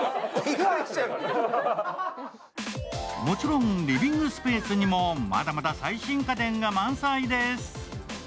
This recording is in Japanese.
もちろんリビングスペースにもまだまだ最新家電が満載です。